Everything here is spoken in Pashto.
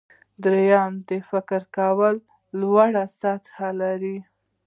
دریم د فکر کولو لوړه سطحه لري.